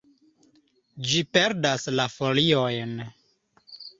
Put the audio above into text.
Ĝi perdas la foliojn.